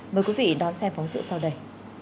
mời quý vị đón xem phóng sự sau đây